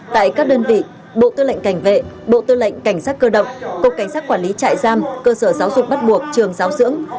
tại các đơn vị bộ tư lệnh cảnh vệ bộ tư lệnh cảnh sát cơ động cục cảnh sát quản lý trại giam cơ sở giáo dục bắt buộc trường giáo dưỡng